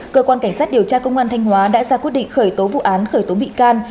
cơ quan cảnh sát điều tra công an thanh hóa đã ra quyết định khởi tố vụ án khởi tố bị can